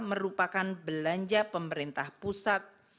merupakan belanja pemerintah pusat